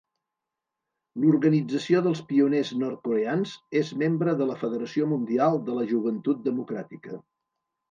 L'organització dels pioners nord-coreans és membre de la Federació Mundial de la Joventut Democràtica.